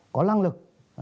có lăng lực